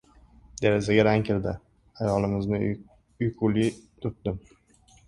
Derazaga rang kirdi. Ayolimizni uyquli turtdim.